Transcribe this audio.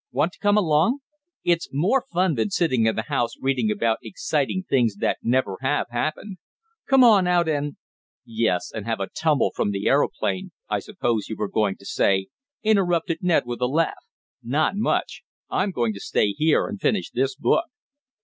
Want to come along? It's more fun than sitting in the house reading about exciting things that never have happened. Come on out and " "Yes, and have a tumble from the aeroplane, I suppose you were going to say," interrupted Ned with a laugh. "Not much! I'm going to stay here and finish this book."